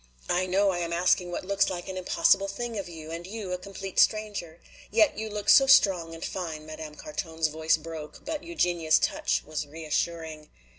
"I know I am asking what looks like an impossible thing of you, and you a complete stranger! Yet you look so strong and fine," Madame Carton's voice broke, but Eugenia's touch was reassuring.